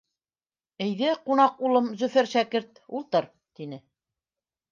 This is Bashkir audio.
— Әйҙә, ҡунаҡ улым, Зөфәр шәкерт, ултыр! — тине.